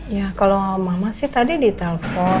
ya kalau mama sih tadi di telepon